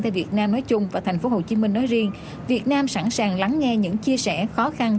tại việt nam nói chung và tp hcm nói riêng việt nam sẵn sàng lắng nghe những chia sẻ khó khăn